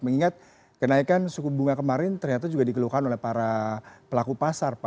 mengingat kenaikan suku bunga kemarin ternyata juga dikeluhkan oleh para pelaku pasar